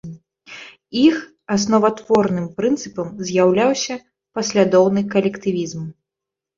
Іх асноватворным прынцыпам з'яўляўся паслядоўны калектывізм.